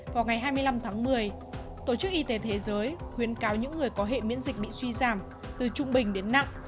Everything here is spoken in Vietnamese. vào ngày hai mươi năm tháng một mươi tổ chức y tế thế giới khuyến cáo những người có hệ miễn dịch bị suy giảm từ trung bình đến nặng